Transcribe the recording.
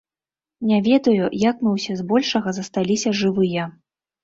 Не ведаю, як мы ўсе збольшага засталіся жывыя.